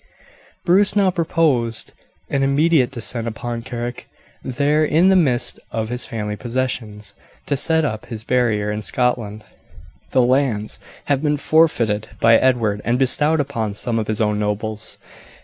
Bruce now proposed an immediate descent upon Carrick, there, in the midst of his family possessions, to set up his banner in Scotland. The lands had been forfeited by Edward and bestowed upon some of his own nobles.